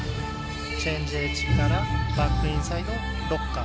チェンジエッジからバックインサイドロッカー。